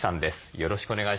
よろしくお願いします。